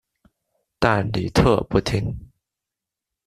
但李特不听。